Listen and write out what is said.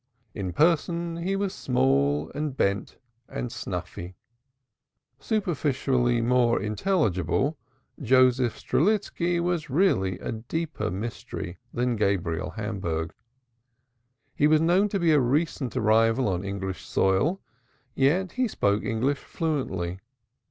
In person he was small and bent and snuffy. Superficially more intelligible, Joseph Strelitski was really a deeper mystery than Gabriel Hamburg. He was known to be a recent arrival on English soil, yet he spoke English fluently.